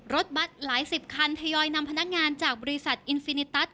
รถบัตรหลายสิบคันทยอยนำพนักงานจากบริษัทอินฟินิตัส